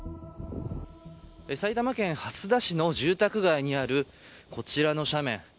埼玉県蓮田市の住宅街にあるこちらの斜面。